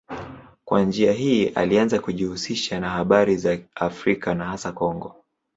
Kwa njia hii alianza kujihusisha na habari za Afrika na hasa Kongo.